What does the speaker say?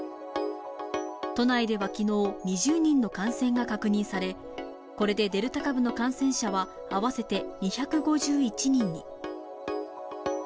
都内ではきのう、２０人の感染が確認され、これでデルタ株の感染者は合わせて２５１人に。